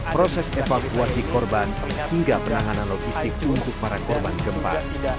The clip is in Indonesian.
proses evakuasi korban hingga penanganan logistik untuk para korban gempa